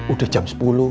udah jam sepuluh